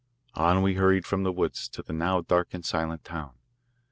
On we hurried from the woods to the now dark and silent town.